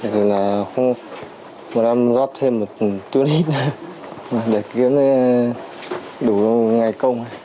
thì là không bọn em rót thêm một tuyến hít để kiếm đủ ngày công